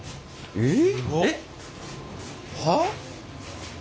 えっ？